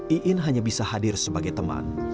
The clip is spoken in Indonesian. iin hanya bisa hadir sebagai teman